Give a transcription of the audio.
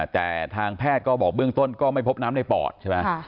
แต่ทางแพทย์ก็บอกเบื้องต้นก็ไม่พบน้ำในปอดใช่ไหม